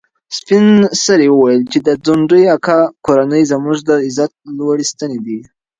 سپین سرې وویل چې د ځونډي اکا کورنۍ زموږ د عزت لوړې ستنې دي.